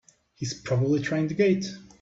He's probably trying the gate!